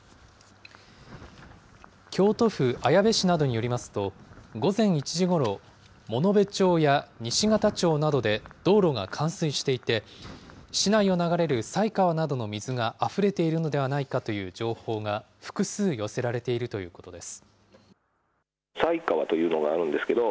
京都府綾部市などによりますと、午前１時ごろ、物部町や西方町などで道路が冠水していて、市内を流れる犀川などの水があふれているのではないかという情報が複数寄せられているということです。